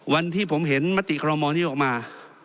วันที่ผมเห็นมติคอรมอลนี้ออกมา